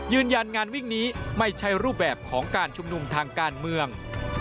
ยืนยันงานวิ่งนี้ไม่ใช่รูปแบบของการชุมนุมทางการเมือง